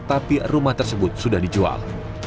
tapi rumah tersebut sudah dijual